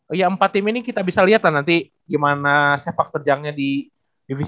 oh ya empat tim ini kita bisa lihat lah nanti gimana sepak terjangnya di pon